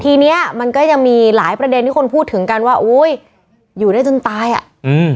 ทีเนี้ยมันก็ยังมีหลายประเด็นที่คนพูดถึงกันว่าอุ้ยอยู่ได้จนตายอ่ะอืม